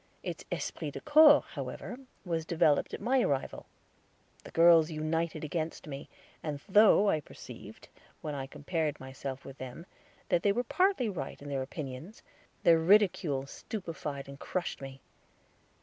Its esprit de corps, however, was developed by my arrival; the girls united against me, and though I perceived, when I compared myself with them, that they were partly right in their opinions, their ridicule stupefied and crushed me.